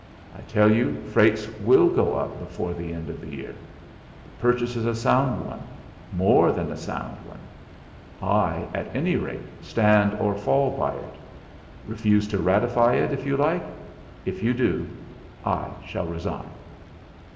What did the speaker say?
I tell you freights will go up before the end of the year; the purchase is a sound one, more than a sound one I, at any rate, stand or fall by it. Refuse to ratify it, if you like; if you do, I shall resign."